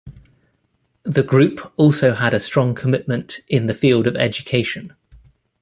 The group has also had a strong commitment in the field of education.